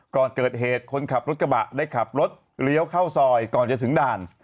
ก่อนเกิดเหตุคนขับรถกระบะได้ขับรถเลี้ยวเข้าซอยก่อนจะถึงด่าน